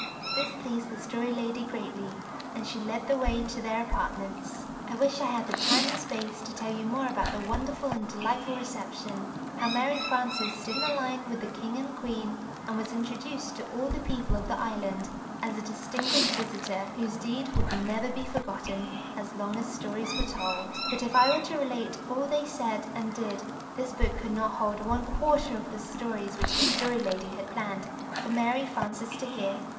This pleased the Story Lady greatly, and she led the way to their apartments. I wish I had the time and space to tell you more about the wonderful and delightful reception how Mary Frances stood in line with the King and Queen, and was introduced to all the people of the island as a distinguished visitor whose deed would never be forgotten as long as stories were told. But if I were to relate all they said and did this book would not hold one quarter of the stories which the Story Lady had planned for Mary Frances to hear.